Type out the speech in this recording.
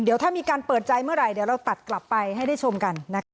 เดี๋ยวถ้ามีการเปิดใจเมื่อไหร่เดี๋ยวเราตัดกลับไปให้ได้ชมกันนะคะ